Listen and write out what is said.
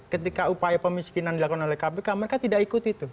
ketika upaya pemiskinan dilakukan oleh kpk mereka tidak ikut itu